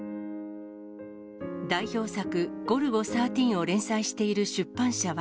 代表作、ゴルゴ１３を連載している出版社は。